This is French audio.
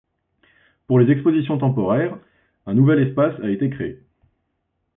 Pour les expositions temporaires, un nouvel espace a été créé.